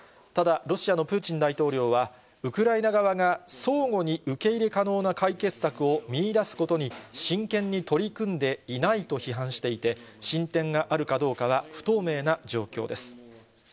ただ、ロシアのプーチン大統領は、ウクライナ側が相互に受け入れ可能な解決策を見いだすことに真剣に取り組んでいないと批判していて、進展があるかどうかは不透明な状況です。